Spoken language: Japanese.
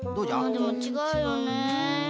あでもちがうよね。